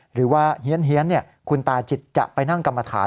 หรือว่าเฮียนคุณตาจิตจะไปนั่งกรรมฐาน